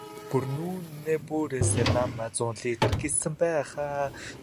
Бүр үнээ бүрээсээ найман зуун литр гэсэн байх аа?